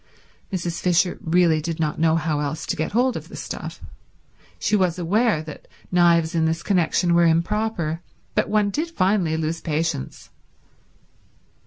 Mrs. Fisher really did not know how else to get hold of the stuff. She was aware that knives in this connection were improper, but one did finally lose patience.